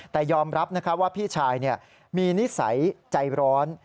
แต่ยอมรับว่าพี่ชายมีนิสัยใจร้อน